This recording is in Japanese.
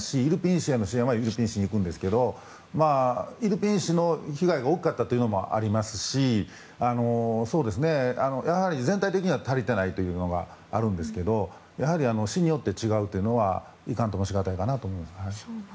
市への支援はイルピン市にいくんですけどイルピン市の被害が大きかったのもありますしやはり全体的には足りてないというのがあるんですがやはり市によって違うのはあるかなと思います。